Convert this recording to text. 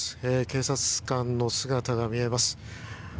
警察官の姿が見えます。